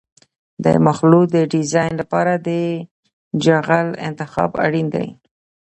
د مخلوط د ډیزاین لپاره د جغل انتخاب اړین دی